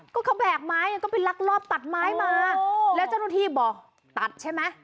ก็เขาแบกไม้ก็ไปลักลอบตัดไม้มาแล้วเจ้าหน้าที่บอกตัดใช่ไหม